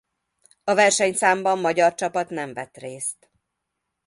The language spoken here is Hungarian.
A versenyszámban magyar csapat nem vett részt.